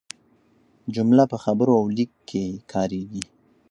جمله په خبرو او لیک کښي کاریږي.